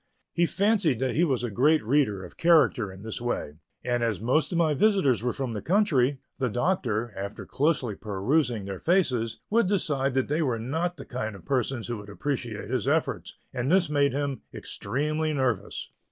He fancied that he was a great reader of character in this way, and as most of my visitors were from the country, the Doctor, after closely perusing their faces, would decide that they were not the kind of persons who would appreciate his efforts, and this made him extremely nervous.